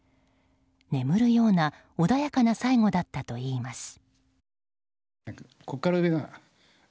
眠るような穏やかな最期だったといいます。